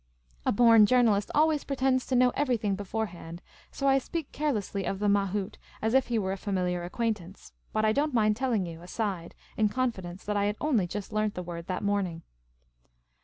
A born journalist always pretends to know everything beforehand, .so I speak care lessly of the " mahout," as if he were a familiar acquaint ance. But I don't mind telling you aside, in confidence, that I had only just learnt the word that morning.